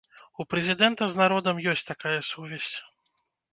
У прэзідэнта з народам ёсць такая сувязь.